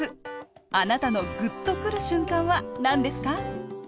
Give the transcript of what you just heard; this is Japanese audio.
あなたのグッとくる瞬間はなんですか？